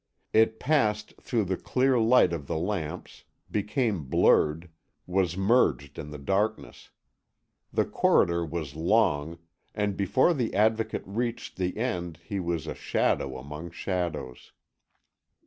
It passed through the clear light of the lamps, became blurred, was merged in the darkness. The corridor was long, and before the Advocate reached the end he was a shadow among shadows.